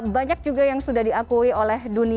banyak juga yang sudah diakui oleh dunia